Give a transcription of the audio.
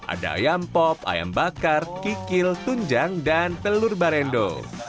ada ayam pop ayam bakar kikil tunjang dan telur barendo